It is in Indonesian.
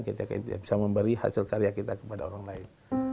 kita bisa memberi hasil karya kita kepada orang lain